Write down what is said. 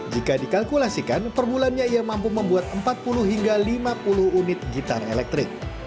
jika dikalkulasikan perbulannya ia mampu membuat empat puluh hingga lima puluh unit gitar elektrik